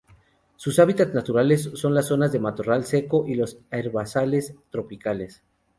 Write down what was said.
Su hábitats naturales son las zonas de matorral seco y los herbazales tropicales.